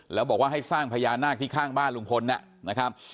แล้วบอกว่าให้สร้างพญานาคที่ข้างบ้านลุงพลนะครับ